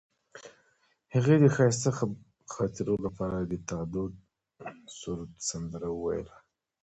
هغې د ښایسته خاطرو لپاره د تاوده سرود سندره ویله.